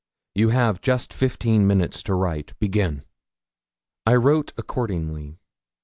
You have just fifteen minutes to write. Begin.' I wrote accordingly.